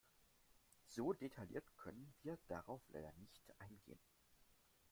So detailliert können wir darauf leider nicht eingehen.